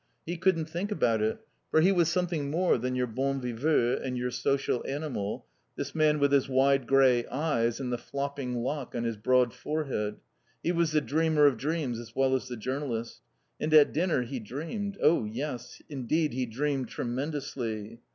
He couldn't think about it. For he was something more than your bon viveur and your social animal, this man with his wide grey eyes and the flopping lock on his broad forehead. He was the dreamer of dreams as well as the journalist. And at dinner he dreamed Oh, yes, indeed, he dreamed tremendously.